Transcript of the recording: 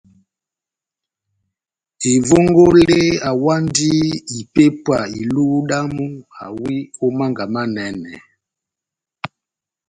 Evongole awandi ipépwa iluhu damu awi ó Mánga Manɛnɛ.